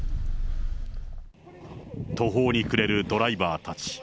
途方に暮れるドライバーたち。